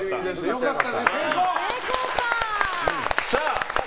良かった。